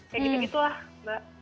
kayak gitu gitulah mbak